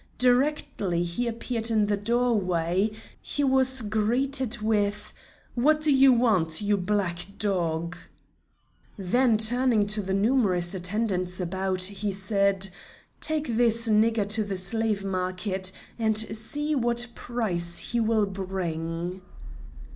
Directly he appeared in the doorway, he was greeted with: "What do you want, you black dog?" Then turning to the numerous attendants about, he said: "Take this nigger to the slave market, and see what price he will bring."